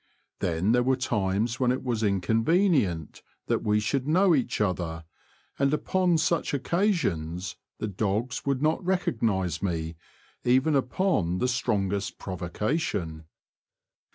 Then there were times when it was inconvenient that we should know each other, and upon such occasions the dogs would not recognise me even upon the strongest provocation.